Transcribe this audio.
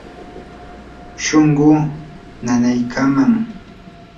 shunquu nanaykaman.